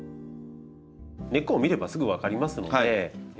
根っこを見ればすぐ分かりますので抜いてみます。